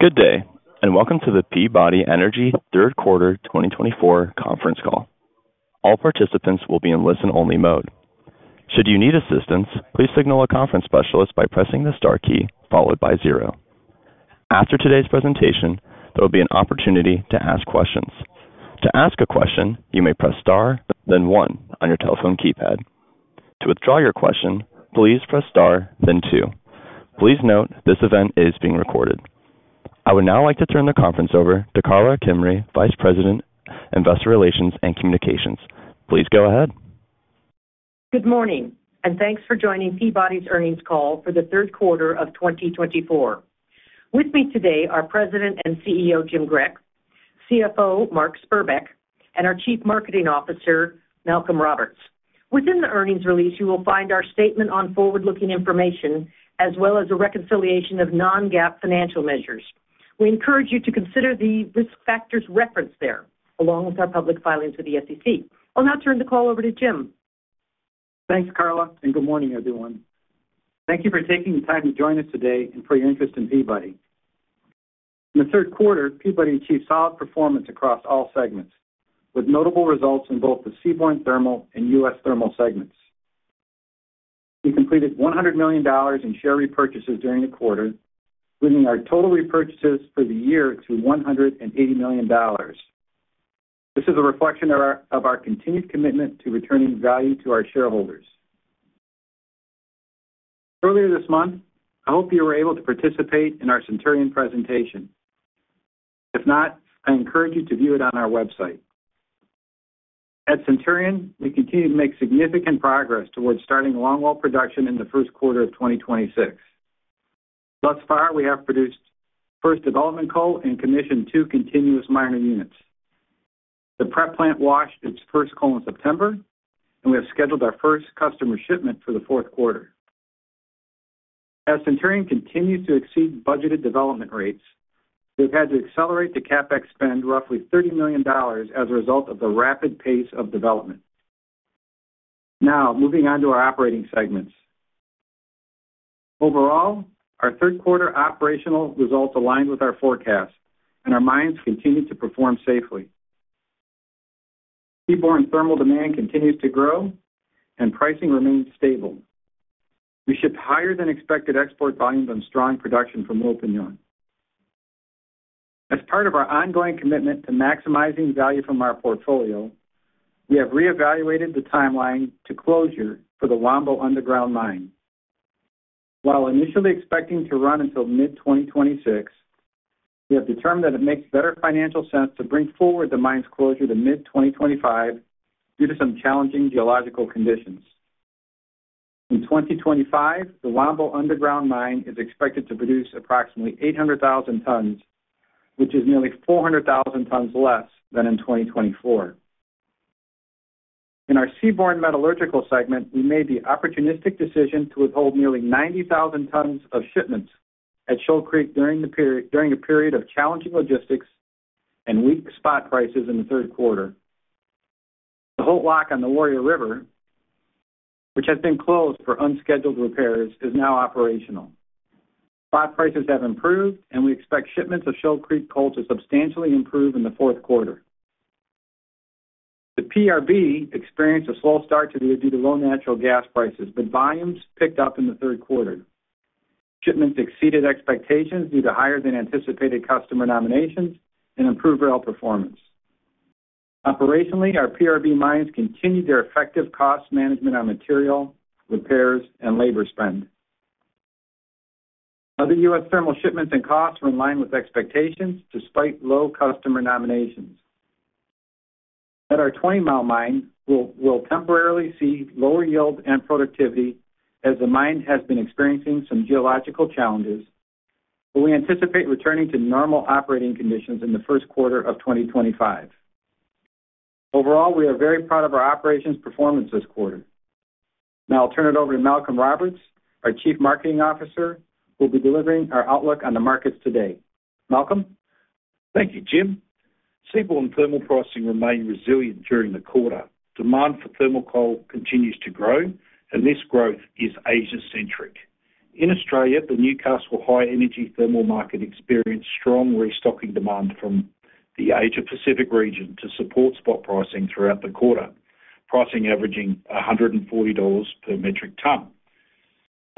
Good day, and welcome to the Peabody Energy third quarter 2024 conference call. All participants will be in listen-only mode. Should you need assistance, please signal a conference specialist by pressing the star key followed by zero. After today's presentation, there will be an opportunity to ask questions. To ask a question, you may press star, then one on your telephone keypad. To withdraw your question, please press star, then two. Please note this event is being recorded. I would now like to turn the conference over to Karla Kimrey, Vice President, Investor Relations and Communications. Please go ahead. Good morning, and thanks for joining Peabody's earnings call for the third quarter of 2024. With me today are President and CEO Jim Grech, CFO Mark Spurbeck, and our Chief Marketing Officer Malcolm Roberts. Within the earnings release, you will find our statement on forward-looking information as well as a reconciliation of non-GAAP financial measures. We encourage you to consider the risk factors referenced there, along with our public filings with the SEC. I'll now turn the call over to Jim. Thanks, Karla, and good morning, everyone. Thank you for taking the time to join us today and for your interest in Peabody. In the third quarter, Peabody achieved solid performance across all segments, with notable results in both the Seaborne Thermal and U.S. Thermal segments. We completed $100 million in share repurchases during the quarter, bringing our total repurchases for the year to $180 million. This is a reflection of our continued commitment to returning value to our shareholders. Earlier this month, I hope you were able to participate in our Centurion presentation. If not, I encourage you to view it on our website. At Centurion, we continue to make significant progress towards starting longwall production in the first quarter of 2026. Thus far, we have produced first development coal and commissioned two continuous miner units. The prep plant washed its first coal in September, and we have scheduled our first customer shipment for the fourth quarter. As Centurion continues to exceed budgeted development rates, we have had to accelerate the CapEx spend roughly $30 million as a result of the rapid pace of development. Now, moving on to our operating segments. Overall, our third quarter operational results aligned with our forecast, and our mines continue to perform safely. Seaborne Thermal demand continues to grow, and pricing remains stable. We shipped higher-than-expected export volumes on strong production from Wilpinjong. As part of our ongoing commitment to maximizing value from our portfolio, we have reevaluated the timeline to closure for the Wambo Underground Mine. While initially expecting to run until mid-2026, we have determined that it makes better financial sense to bring forward the mine's closure to mid-2025 due to some challenging geological conditions. In 2025, the Wambo Underground Mine is expected to produce approximately 800,000 tons, which is nearly 400,000 tons less than in 2024. In our Seaborne Metallurgical segment, we made the opportunistic decision to withhold nearly 90,000 tons of shipments at Shoal Creek during a period of challenging logistics and weak spot prices in the third quarter. The Holt Lock on the Warrior River, which has been closed for unscheduled repairs, is now operational. Spot prices have improved, and we expect shipments of Shoal Creek coal to substantially improve in the fourth quarter. The PRB experienced a slow start to the year due to low natural gas prices, but volumes picked up in the third quarter. Shipments exceeded expectations due to higher-than-anticipated customer nominations and improved rail performance. Operationally, our PRB mines continued their effective cost management on material, repairs, and labor spend. Other U.S. Thermal shipments and costs were in line with expectations despite low customer nominations. At our Twentymile, we'll temporarily see lower yield and productivity as the mine has been experiencing some geological challenges, but we anticipate returning to normal operating conditions in the first quarter of 2025. Overall, we are very proud of our operations performance this quarter. Now, I'll turn it over to Malcolm Roberts, our Chief Marketing Officer, who will be delivering our outlook on the markets today. Malcolm? Thank you, Jim. Seaborne Thermal pricing remained resilient during the quarter. Demand for thermal coal continues to grow, and this growth is Asia-centric. In Australia, the Newcastle high energy thermal market experienced strong restocking demand from the Asia-Pacific region to support spot pricing throughout the quarter, pricing averaging $140 per metric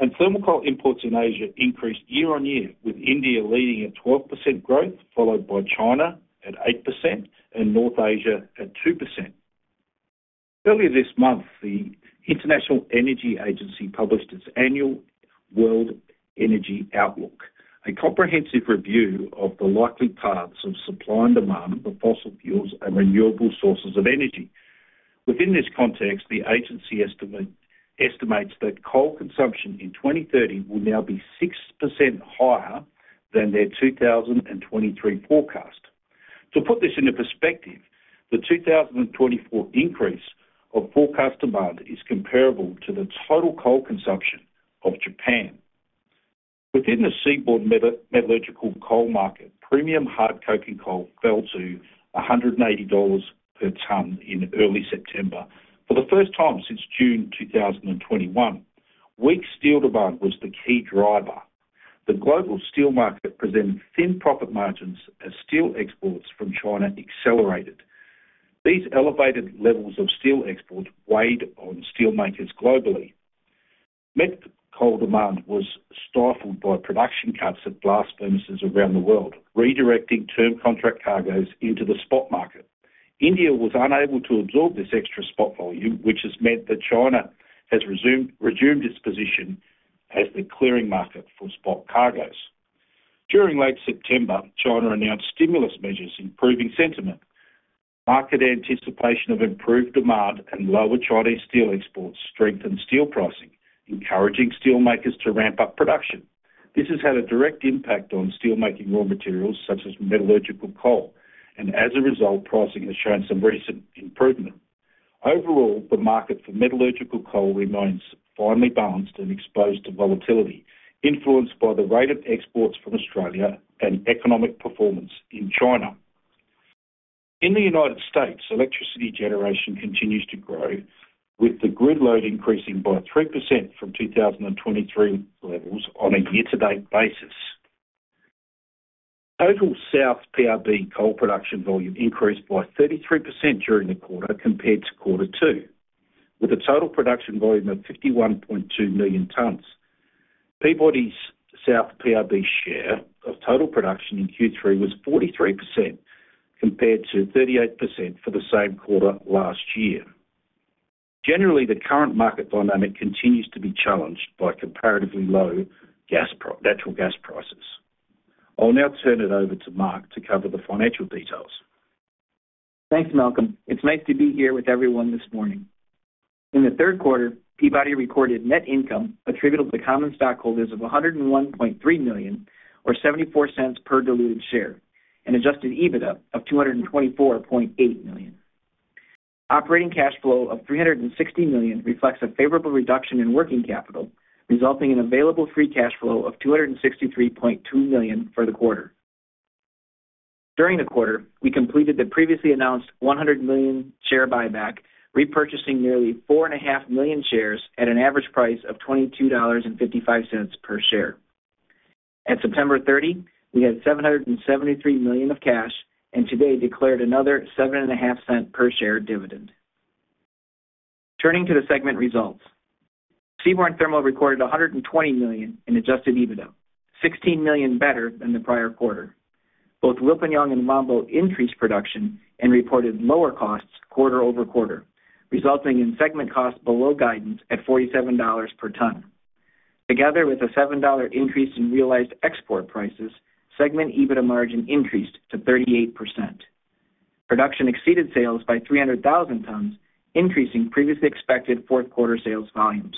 ton. Thermal coal imports in Asia increased year-on-year, with India leading at 12% growth, followed by China at 8% and North Asia at 2%. Earlier this month, the International Energy Agency published its annual World Energy Outlook, a comprehensive review of the likely paths of supply and demand for fossil fuels and renewable sources of energy. Within this context, the agency estimates that coal consumption in 2030 will now be 6% higher than their 2023 forecast. To put this into perspective, the 2024 increase of forecast demand is comparable to the total coal consumption of Japan. Within the Seaborne Metallurgical coal market, premium hard coking coal fell to $180 per ton in early September for the first time since June 2021. Weak steel demand was the key driver. The global steel market presented thin profit margins as steel exports from China accelerated. These elevated levels of steel export weighed on steelmakers globally. Met coal demand was stifled by production cuts at blast furnaces around the world, redirecting term contract cargoes into the spot market. India was unable to absorb this extra spot volume, which has meant that China has resumed its position as the clearing market for spot cargoes. During late September, China announced stimulus measures improving sentiment. Market anticipation of improved demand and lower Chinese steel exports strengthened steel pricing, encouraging steelmakers to ramp up production. This has had a direct impact on steelmaking raw materials such as metallurgical coal, and as a result, pricing has shown some recent improvement. Overall, the market for metallurgical coal remains finely balanced and exposed to volatility, influenced by the rate of exports from Australia and economic performance in China. In the United States, electricity generation continues to grow, with the grid load increasing by 3% from 2023 levels on a year-to-date basis. Total South PRB coal production volume increased by 33% during the quarter compared to quarter two, with a total production volume of 51.2 million tons. Peabody's South PRB share of total production in Q3 was 43% compared to 38% for the same quarter last year. Generally, the current market dynamic continues to be challenged by comparatively low natural gas prices. I'll now turn it over to Mark to cover the financial details. Thanks, Malcolm. It's nice to be here with everyone this morning. In the third quarter, Peabody recorded net income attributable to common stockholders of $101.3 million, or $0.74 per diluted share, and Adjusted EBITDA of $224.8 million. Operating cash flow of $360 million reflects a favorable reduction in working capital, resulting in available free cash flow of $263.2 million for the quarter. During the quarter, we completed the previously announced $100 million share buyback, repurchasing nearly 4.5 million shares at an average price of $22.55 per share. At September 30, we had $773 million of cash and today declared another $0.075 per share dividend. Turning to the segment results, Seaborne Thermal recorded $120 million in Adjusted EBITDA, $16 million better than the prior quarter. Both Wilpinjong and Wambo increased production and reported lower costs quarter over quarter, resulting in segment costs below guidance at $47 per ton. Together with a $7 increase in realized export prices, segment EBITDA margin increased to 38%. Production exceeded sales by 300,000 tons, increasing previously expected fourth quarter sales volumes.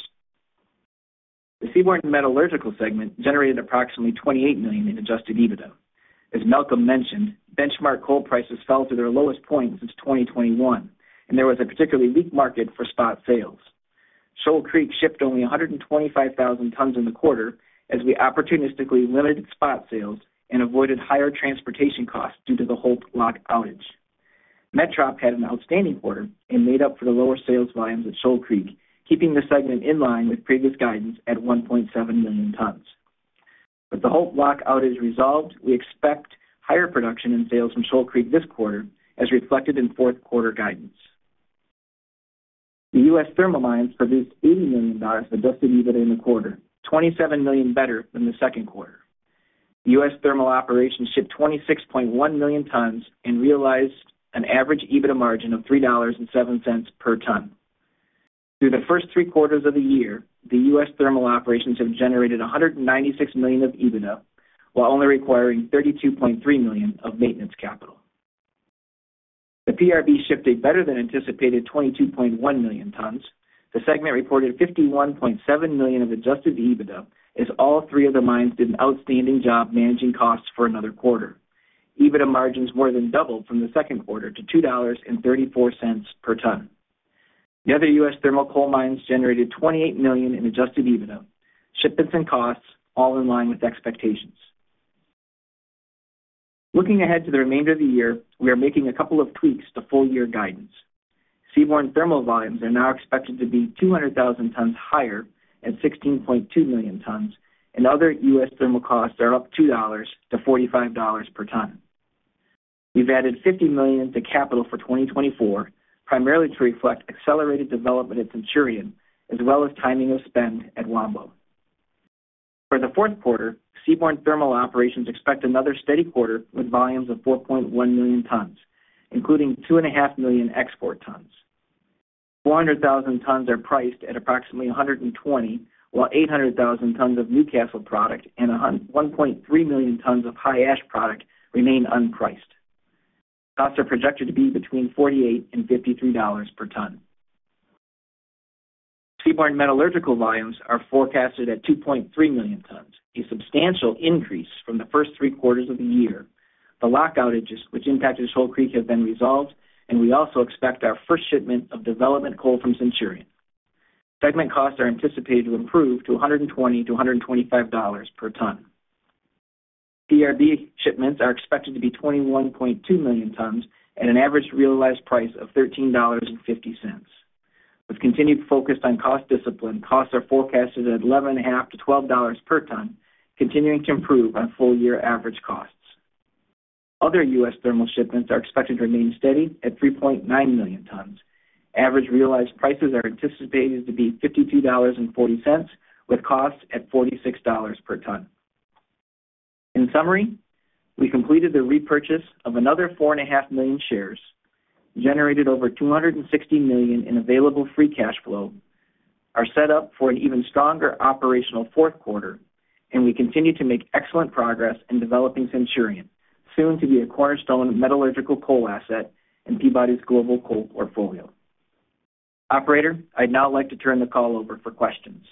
The Seaborne Metallurgical segment generated approximately $28 million in adjusted EBITDA. As Malcolm mentioned, benchmark coal prices fell to their lowest point since 2021, and there was a particularly weak market for spot sales. Shoal Creek shipped only 125,000 tons in the quarter as we opportunistically limited spot sales and avoided higher transportation costs due to the Holt Lock outage. Metrop had an outstanding quarter and made up for the lower sales volumes at Shoal Creek, keeping the segment in line with previous guidance at 1.7 million tons. With the Holt Lock outage resolved, we expect higher production and sales from Shoal Creek this quarter, as reflected in fourth quarter guidance. The U.S. Thermal Mines produced $80 million adjusted EBITDA in the quarter, $27 million better than the second quarter. The U.S. Thermal Operations shipped 26.1 million tons and realized an average EBITDA margin of $3.07 per ton. Through the first three quarters of the year, the U.S. Thermal Operations have generated $196 million of EBITDA while only requiring $32.3 million of maintenance capital. The PRB shipped a better-than-anticipated 22.1 million tons. The segment reported $51.7 million of adjusted EBITDA as all three of the mines did an outstanding job managing costs for another quarter. EBITDA margins more than doubled from the second quarter to $2.34 per ton. The Other U.S. Thermal Coal Mines generated $28 million in adjusted EBITDA. Shipments and costs all in line with expectations. Looking ahead to the remainder of the year, we are making a couple of tweaks to full-year guidance. Seaborne Thermal volumes are now expected to be 200,000 tons higher at 16.2 million tons, and Other U.S. thermal costs are up $2.00 to $45 per ton. We've added $50 million to capital for 2024, primarily to reflect accelerated development at Centurion as well as timing of spend at Wambo. For the fourth quarter, Seaborne Thermal operations expect another steady quarter with volumes of 4.1 million tons, including 2.5 million export tons. 400,000 tons are priced at approximately $120, while 800,000 tons of Newcastle product and 1.3 million tons of high ash product remain unpriced. Costs are projected to be between $48 and $53 per ton. Seaborne Metallurgical volumes are forecasted at 2.3 million tons, a substantial increase from the first three quarters of the year. The lock outages, which impacted Shoal Creek, have been resolved, and we also expect our first shipment of development coal from Centurion. Segment costs are anticipated to improve to $120-$125 per ton. PRB shipments are expected to be 21.2 million tons at an average realized price of $13.50. With continued focus on cost discipline, costs are forecasted at $11.5-$12 per ton, continuing to improve on full-year average costs. Other U.S. Thermal shipments are expected to remain steady at 3.9 million tons. Average realized prices are anticipated to be $52.40, with costs at $46 per ton. In summary, we completed the repurchase of another 4.5 million shares, generated over $260 million in available free cash flow, are set up for an even stronger operational fourth quarter, and we continue to make excellent progress in developing Centurion, soon to be a cornerstone metallurgical coal asset in Peabody's global coal portfolio. Operator, I'd now like to turn the call over for questions.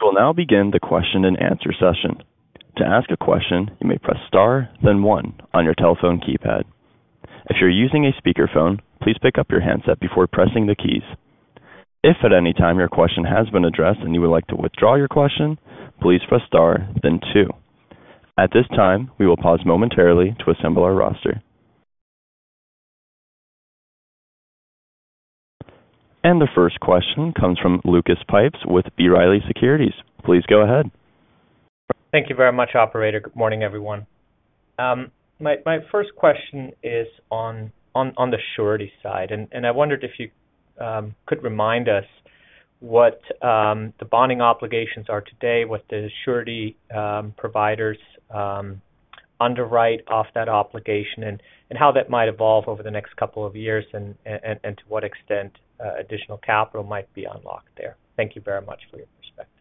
We will now begin the question and answer session. To ask a question, you may press star, then one on your telephone keypad. If you're using a speakerphone, please pick up your handset before pressing the keys. If at any time your question has been addressed and you would like to withdraw your question, please press star, then two. At this time, we will pause momentarily to assemble our roster. And the first question comes from Lucas Pipes with B. Riley Securities. Please go ahead. Thank you very much, Operator. Good morning, everyone. My first question is on the surety side, and I wondered if you could remind us what the bonding obligations are today, what the surety providers underwrite off that obligation, and how that might evolve over the next couple of years, and to what extent additional capital might be unlocked there. Thank you very much for your perspective.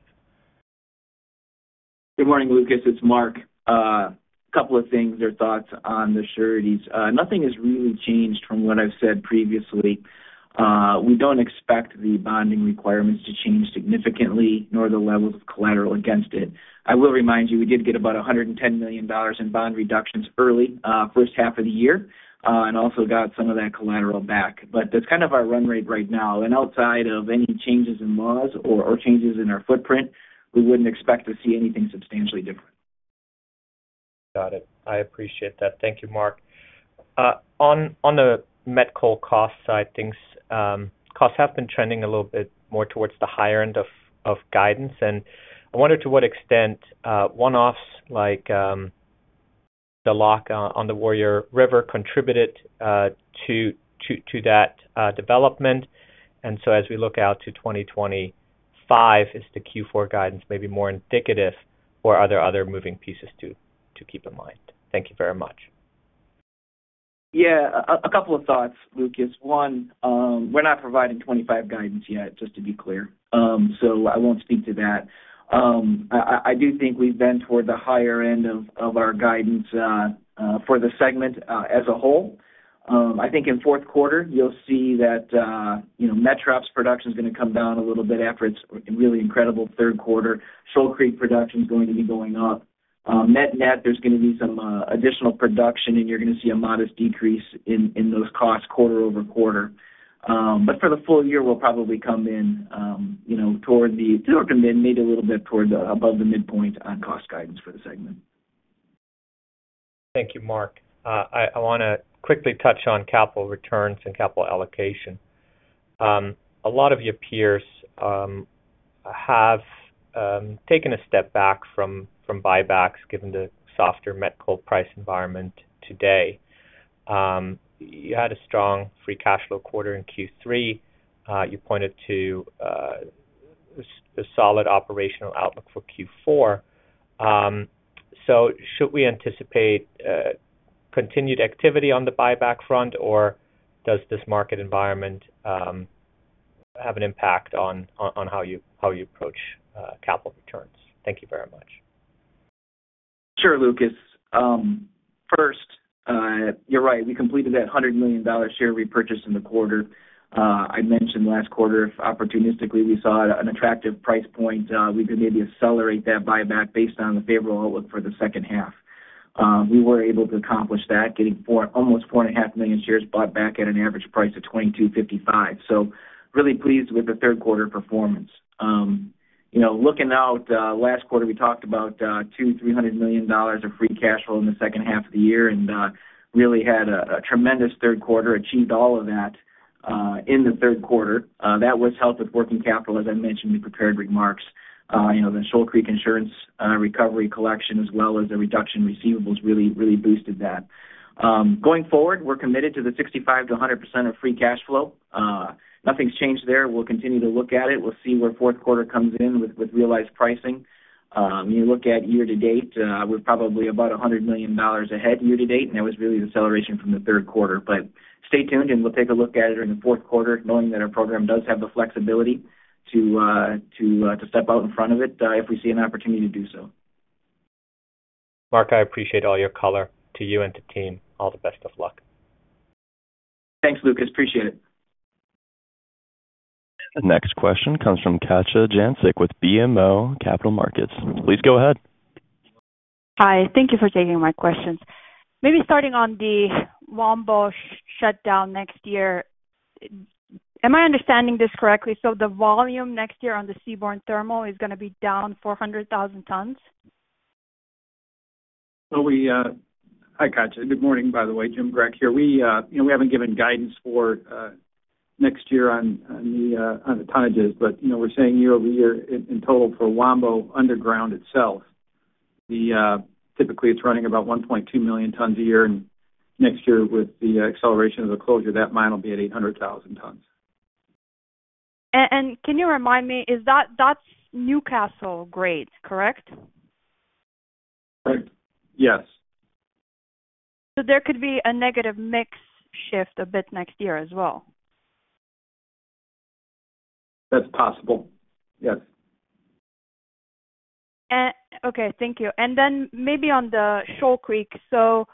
Good morning, Lucas. It's Mark. A couple of things or thoughts on the sureties. Nothing has really changed from what I've said previously. We don't expect the bonding requirements to change significantly, nor the levels of collateral against it. I will remind you, we did get about $110 million in bond reductions early, first half of the year, and also got some of that collateral back. But that's kind of our run rate right now. And outside of any changes in laws or changes in our footprint, we wouldn't expect to see anything substantially different. Got it. I appreciate that. Thank you, Mark. On the Metrop cost side, the costs have been trending a little bit more towards the higher end of guidance. And I wonder to what extent one-offs like the lock on the Warrior River contributed to that development. And so as we look out to 2025, is the Q4 guidance maybe more indicative, or are there other moving pieces to keep in mind? Thank you very much. Yeah, a couple of thoughts, Lucas. One, we're not providing 2025 guidance yet, just to be clear. So I won't speak to that. I do think we've been toward the higher end of our guidance for the segment as a whole. I think in fourth quarter, you'll see that Metrop's production is going to come down a little bit after its really incredible third quarter. Shoal Creek production is going to be going up. Net-net, there's going to be some additional production, and you're going to see a modest decrease in those costs quarter over quarter, but for the full year, we'll probably come in toward the maybe a little bit toward above the midpoint on cost guidance for the segment. Thank you, Mark. I want to quickly touch on capital returns and capital allocation. A lot of your peers have taken a step back from buybacks given the softer met coal price environment today. You had a strong free cash flow quarter in Q3. You pointed to a solid operational outlook for Q4. So should we anticipate continued activity on the buyback front, or does this market environment have an impact on how you approach capital returns? Thank you very much. Sure, Lucas. First, you're right. We completed that $100 million share repurchase in the quarter. I mentioned last quarter, if opportunistically we saw an attractive price point, we could maybe accelerate that buyback based on the favorable outlook for the second half. We were able to accomplish that, getting almost 4.5 million shares bought back at an average price of $22.55. So really pleased with the third quarter performance. Looking out, last quarter, we talked about $200, $300 million of free cash flow in the second half of the year and really had a tremendous third quarter, achieved all of that in the third quarter. That was helped with working capital, as I mentioned in the prepared remarks. The Shoal Creek insurance recovery collection, as well as the reduction in receivables, really boosted that. Going forward, we're committed to the 65%-100% of free cash flow. Nothing's changed there. We'll continue to look at it. We'll see where fourth quarter comes in with realized pricing. When you look at year to date, we're probably about $100 million ahead year to date, and that was really the acceleration from the third quarter. But stay tuned, and we'll take a look at it in the fourth quarter, knowing that our program does have the flexibility to step out in front of it if we see an opportunity to do so. Mark, I appreciate all your color to you and the team. All the best of luck. Thanks, Lucas. Appreciate it. Next question comes from Katja Jancic with BMO Capital Markets. Please go ahead. Hi. Thank you for taking my questions. Maybe starting on the Wambo shutdown next year, am I understanding this correctly? So the volume next year on the Seaborne Thermal is going to be down 400,000 tons? I gotcha. Good morning, by the way. Jim Grech here. We haven't given guidance for next year on the tonnages, but we're saying year over year in total for Wambo underground itself, typically it's running about 1.2 million tons a year, and next year, with the acceleration of the closure, that mine will be at 800,000 tons. Can you remind me, is that Newcastle grade, correct? Correct. Yes. So there could be a negative mix shift a bit next year as well? That's possible. Yes. Okay. Thank you, and then maybe on the Shoal Creek, so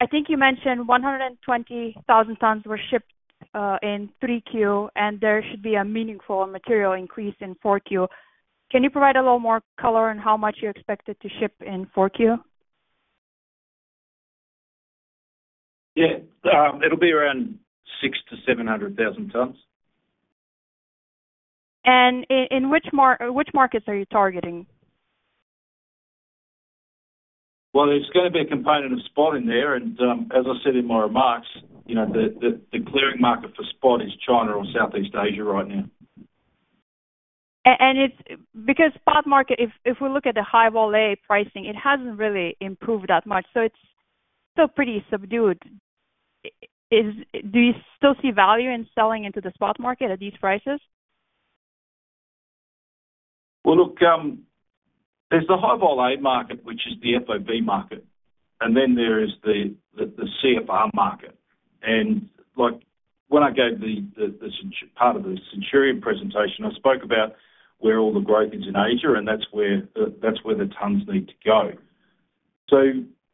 I think you mentioned 120,000 tons were shipped in 3Q, and there should be a meaningful material increase in 4Q. Can you provide a little more color on how much you expect it to ship in 4Q? Yeah. It'll be around 600,000-700,000 tons. Which markets are you targeting? Well, there's going to be a component of spot in there. And as I said in my remarks, the clearing market for spot is China or Southeast Asia right now. Because spot market, if we look at the high vol pricing, it hasn't really improved that much. So it's still pretty subdued. Do you still see value in selling into the spot market at these prices? Well, look, there's the high vol market, which is the FOB market, and then there is the CFR market. And when I gave this part of the Centurion presentation, I spoke about where all the growth is in Asia, and that's where the tons need to go. So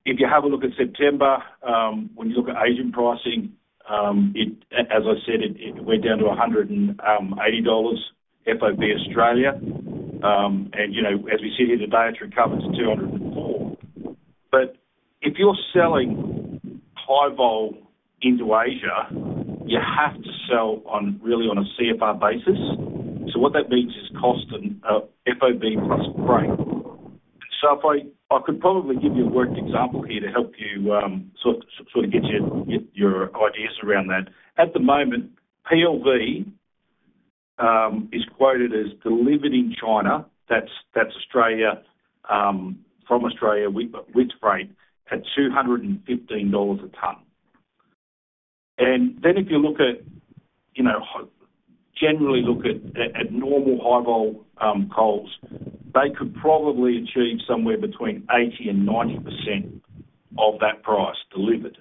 if you have a look at September, when you look at Asian pricing, as I said, it went down to $180 FOB Australia. And as we sit here today, it's recovered to $204. But if you're selling high vol into Asia, you have to sell really on a CFR basis. So what that means is Cost and Freight. So I could probably give you a worked example here to help you sort of get your ideas around that. At the moment, PLV is quoted as delivered in China. That's Australia, from Australia, with freight at $215 a ton. And then if you look generally at normal high vol coals, they could probably achieve somewhere between 80% and 90% of that price delivered.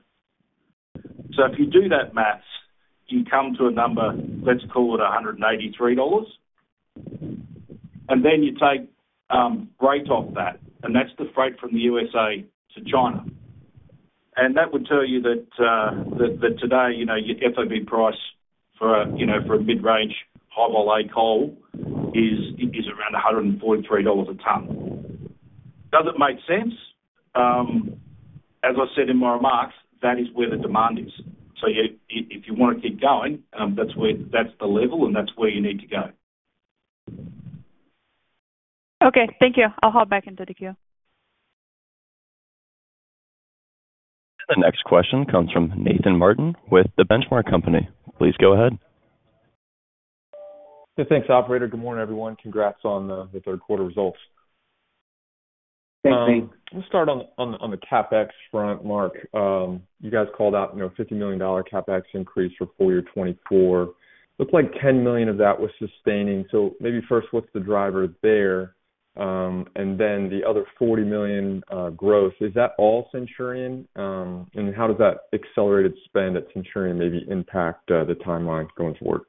So if you do that math, you come to a number, let's call it $183. And then you take rate off that, and that's the freight from the USA to China. And that would tell you that today your FOB price for a mid-range high vol coal is around $143 a ton. Does it make sense? As I said in my remarks, that is where the demand is. So if you want to keep going, that's the level, and that's where you need to go. Okay. Thank you. I'll hop back into the queue. The next question comes from Nathan Martin with The Benchmark Company. Please go ahead. Hey, thanks, Operator. Good morning, everyone. Congrats on the third quarter results. Thanks, Steve. We'll start on the CapEx front, Mark. You guys called out a $50 million CapEx increase for full year 2024. Looks like $10 million of that was sustaining. So maybe first, what's the driver there? And then the other $40 million growth, is that all Centurion? And how does that accelerated spend at Centurion maybe impact the timeline going forward?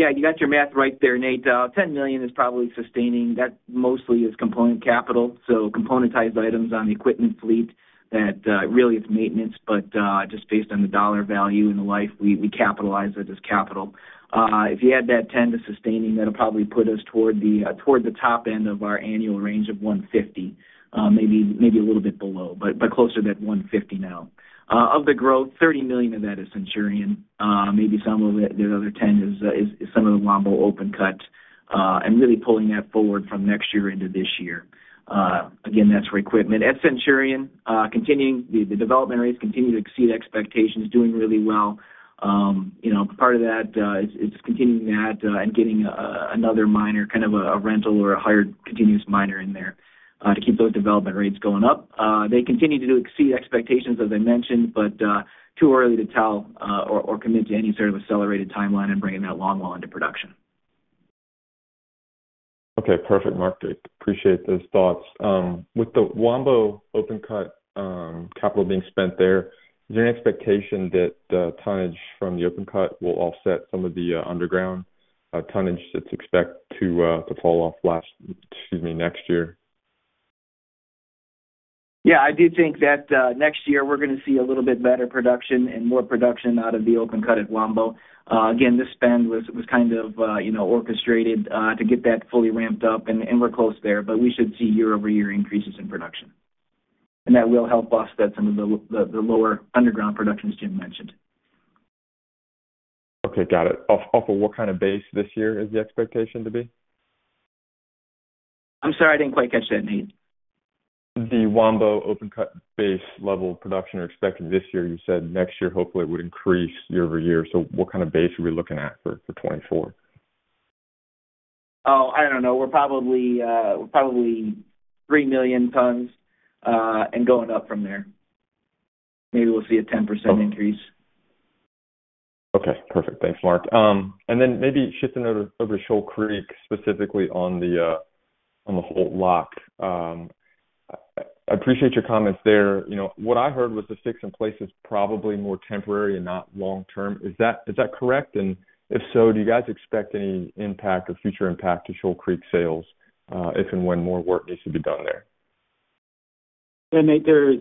Yeah. You got your math right there, Nate. $10 million is probably sustaining. That mostly is component capital. So componentized items on the equipment fleet that really is maintenance, but just based on the dollar value and the life, we capitalize it as capital. If you add that $10 million to sustaining, that'll probably put us toward the top end of our annual range of $150 million, maybe a little bit below, but closer to that $150 million now. Of the growth, $30 million of that is Centurion. Maybe some of the other $10 million is some of the Wambo Open Cut and really pulling that forward from next year into this year. Again, that's for equipment. At Centurion, the development rates continue to exceed expectations, doing really well. Part of that is continuing that and getting another miner, kind of a rental or a hired continuous miner in there to keep those development rates going up. They continue to exceed expectations, as I mentioned, but too early to tell or commit to any sort of accelerated timeline and bringing that longwall into production. Okay. Perfect, Mark. Appreciate those thoughts. With the Wambo Open Cut capital being spent there, is there an expectation that the tonnage from the open cut will offset some of the underground tonnage that's expected to fall off last, excuse me, next year? Yeah. I do think that next year we're going to see a little bit better production and more production out of the open cut at Wambo. Again, this spend was kind of orchestrated to get that fully ramped up, and we're close there, but we should see year-over-year increases in production. And that will help offset some of the lower underground productions Jim mentioned. Okay. Got it. Off of what kind of base this year is the expectation to be? I'm sorry, I didn't quite catch that, Nate. The Wambo Open Cut base level of production are expected this year. You said next year, hopefully, it would increase year over year. So what kind of base are we looking at for 2024? Oh, I don't know. We're probably three million tons and going up from there. Maybe we'll see a 10% increase. Okay. Perfect. Thanks, Mark. And then maybe shifting over to Shoal Creek specifically on the Holt Lock. I appreciate your comments there. What I heard was the fix in place is probably more temporary and not long-term. Is that correct? And if so, do you guys expect any impact or future impact to Shoal Creek sales if and when more work needs to be done there? There is,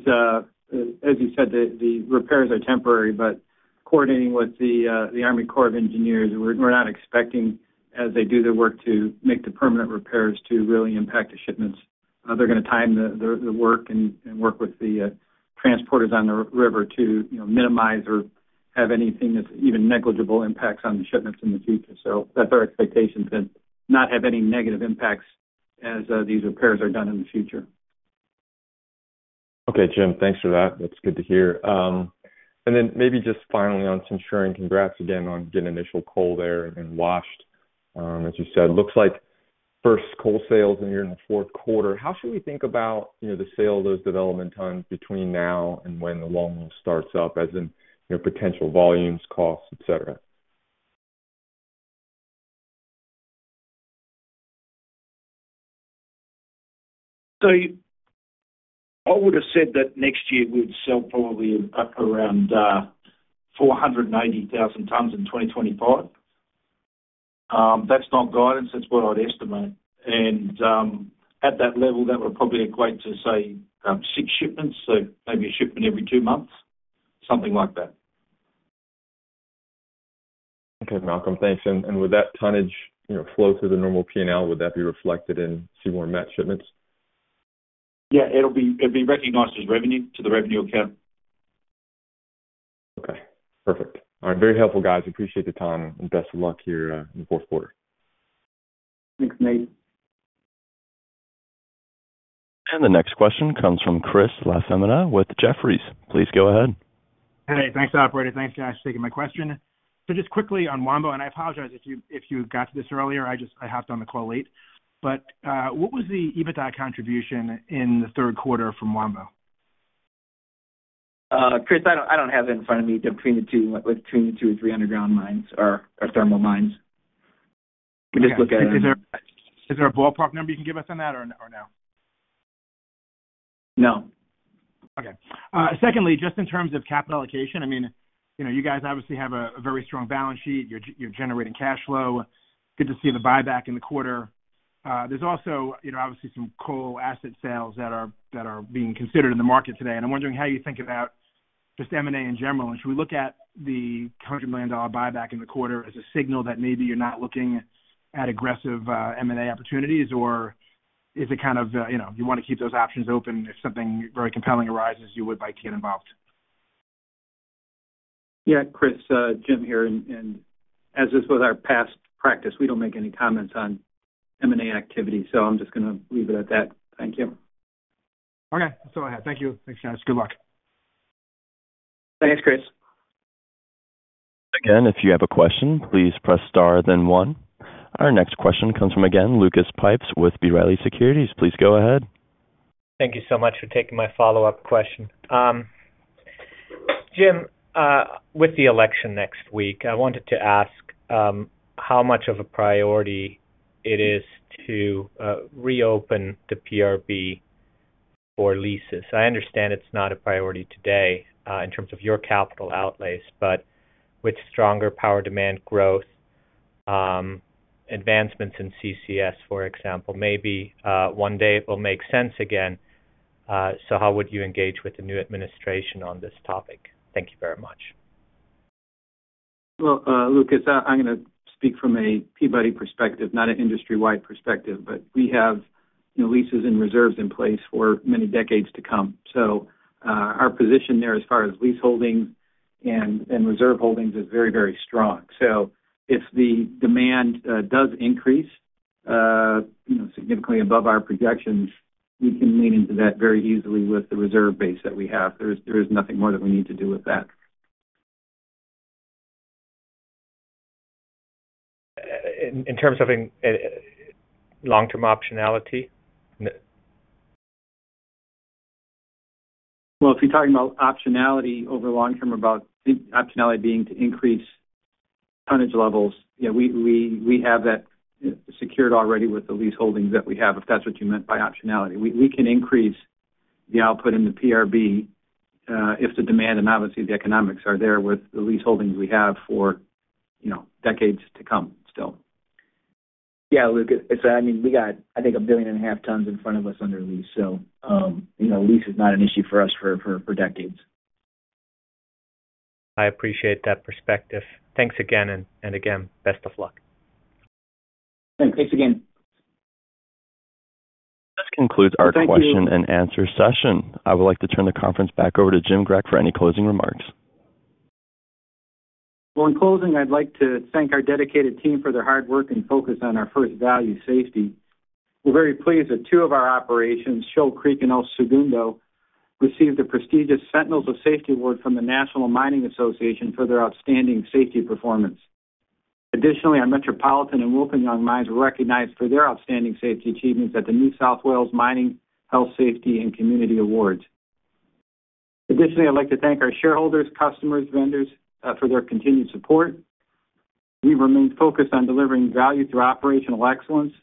as you said, the repairs are temporary, but coordinating with the Army Corps of Engineers, we're not expecting, as they do their work, to make the permanent repairs to really impact the shipments. They're going to time the work and work with the transporters on the river to minimize or have anything that's even negligible impacts on the shipments in the future. That's our expectation to not have any negative impacts as these repairs are done in the future. Okay, Jim. Thanks for that. That's good to hear. And then maybe just finally on Centurion, congrats again on getting initial coal there and washed, as you said. Looks like first coal sales in here in the fourth quarter. How should we think about the sale of those development tons between now and when the Wambo starts up, as in potential volumes, costs, etc.? So I would have said that next year we would sell probably around 490,000 tons in 2025. That's not guidance. That's what I'd estimate. And at that level, that would probably equate to, say, six shipments, so maybe a shipment every two months, something like that. Okay, Malcolm. Thanks. And would that tonnage flow through the normal P&L? Would that be reflected in Seaborne Met shipments? Yeah. It'll be recognized as revenue to the revenue account. Okay. Perfect. All right. Very helpful, guys. Appreciate the time and best of luck here in the fourth quarter. Thanks, Nate. The next question comes from Chris LaFemina with Jefferies. Please go ahead. Hey, thanks, Operator. Thanks guys for taking my question. So just quickly on Wambo, and I apologize if you got to this earlier. I hopped on the call late. But what was the EBITDA contribution in the third quarter from Wambo? Chris, I don't have it in front of me. Between the two or three underground mines or thermal mines. We just look at it. Is there a ballpark number you can give us on that or no? No. Okay. Secondly, just in terms of capital allocation, I mean, you guys obviously have a very strong balance sheet. You're generating cash flow. Good to see the buyback in the quarter. There's also obviously some coal asset sales that are being considered in the market today. And I'm wondering how you think about just M&A in general. And should we look at the $100 million buyback in the quarter as a signal that maybe you're not looking at aggressive M&A opportunities, or is it kind of you want to keep those options open if something very compelling arises, you would like to get involved? Yeah. Chris, Jim here, and as is with our past practice, we don't make any comments on M&A activity, so I'm just going to leave it at that. Thank you. Okay. Let's go ahead. Thank you. Thanks, guys. Good luck. Thanks, Chris. Again, if you have a question, please press star, then one. Our next question comes from, again, Lucas Pipes with B. Riley Securities. Please go ahead. Thank you so much for taking my follow-up question. Jim, with the election next week, I wanted to ask how much of a priority it is to reopen the PRB for leases. I understand it's not a priority today in terms of your capital outlays, but with stronger power demand growth, advancements in CCS, for example, maybe one day it will make sense again. So how would you engage with the new administration on this topic? Thank you very much. Lucas, I'm going to speak from a Peabody perspective, not an industry-wide perspective, but we have leases and reserves in place for many decades to come. So our position there as far as lease holdings and reserve holdings is very, very strong. So if the demand does increase significantly above our projections, we can lean into that very easily with the reserve base that we have. There is nothing more that we need to do with that. In terms of long-term optionality? If you're talking about optionality over long-term, about optionality being to increase tonnage levels, yeah, we have that secured already with the lease holdings that we have, if that's what you meant by optionality. We can increase the output in the PRB if the demand and obviously the economics are there with the lease holdings we have for decades to come still. Yeah, Lucas. I mean, we got, I think, 1.5 billion tons in front of us under lease. Lease is not an issue for us for decades. I appreciate that perspective. Thanks again. Again, best of luck. Thanks again. This concludes our question and answer session. I would like to turn the conference back over to Jim Grech for any closing remarks. Well, in closing, I'd like to thank our dedicated team for their hard work and focus on our first value, safety. We're very pleased that two of our operations, Shoal Creek and El Segundo, received the prestigious Sentinels of Safety Award from the National Mining Association for their outstanding safety performance. Additionally, our Metropolitan and Wilpinjong mines were recognized for their outstanding safety achievements at the New South Wales Mining Health Safety and Community Awards. Additionally, I'd like to thank our shareholders, customers, vendors for their continued support. We remain focused on delivering value through operational excellence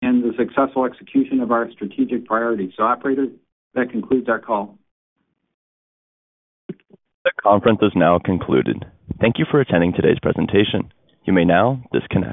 and the successful execution of our strategic priorities. So, Operator, that concludes our call. The conference is now concluded. Thank you for attending today's presentation. You may now disconnect.